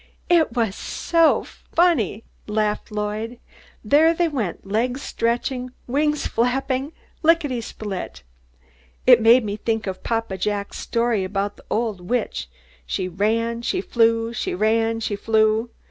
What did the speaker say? "It was so funny!" laughed Lloyd. "There they went, legs stretching, wings flapping, lickety split! It made me think of Papa Jack's story about the old witch: 'she ran, she flew, she ran, she flew!'